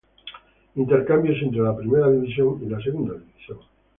Intercambios entre la Primera División y la Segunda División